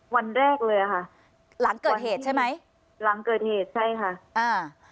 วันแรกเลยอ่ะค่ะหลังเกิดเหตุใช่ไหมหลังเกิดเหตุใช่ค่ะอ่า